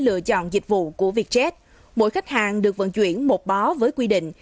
lựa chọn dịch vụ của vietjet mỗi khách hàng được vận chuyển một bó với quy định